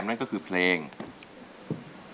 นั่นหมายความว่าแก้มมีสิทธิ์เอาเพลง